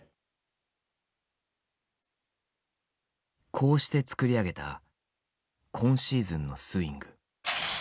こうして作り上げた今シーズンのスイング。